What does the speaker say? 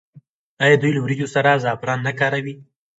آیا دوی له وریجو سره زعفران نه کاروي؟